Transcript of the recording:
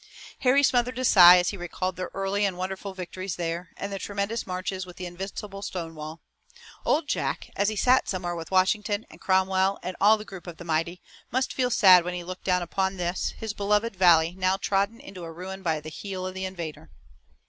Harry smothered a sigh as he recalled their early and wonderful victories there, and the tremendous marches with the invincible Stonewall. Old Jack, as he sat somewhere with Washington and Cromwell and all the group of the mighty, must feel sad when he looked down upon this, his beloved valley, now trodden into a ruin by the heel of the invader.